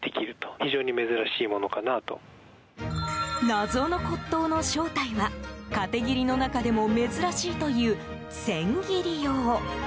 謎の骨董の正体はかて切りの中でも珍しいという千切り用。